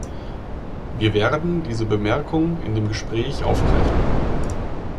Wir werden diese Bemerkung in dem Gespräch aufgreifen.